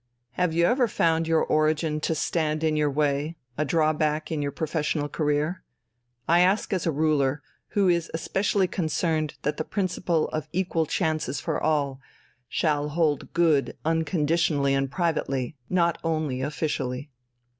Have you ever found your origin to stand in your way, a drawback in your professional career? I ask as a ruler, who is especially concerned that the principle of 'equal chances for all' shall hold good unconditionally and privately, not only officially."